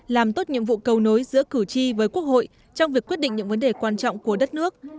làm tốt nhiệm vụ cầu nối giữa cử tri với quốc hội trong việc quyết định những vấn đề quan trọng của đất nước